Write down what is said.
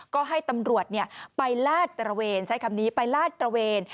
ก็ให้ตำรวจไปลาดตระเวนใช้คำนี้ไปลาดตระเวน